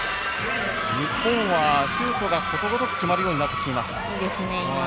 日本はシュートがことごとく決まるようになっています。